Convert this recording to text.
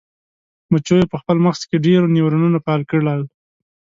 مچیو په خپل مغز کې ډیر نیورونونه فعال کړل.